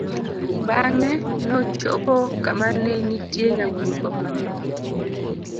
bang'e nochopo kama ne nitie nyamburko mang'eny